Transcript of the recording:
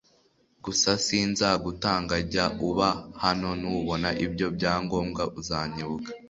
gusa sinzagutanga jya uba hano nubona ibyo byangombwa uzanyibuka